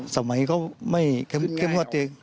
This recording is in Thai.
สมัยก็ไม่ขึ้นง่ายอยู่